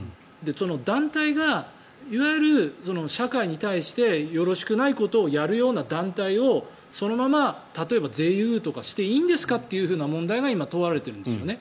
その団体がいわゆる社会に対してよろしくないことをやるような団体をそのまま例えば税優遇していいんですかという問題が今、問われているんですね。